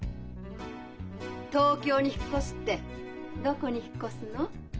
東京に引っ越すってどこに引っ越すの？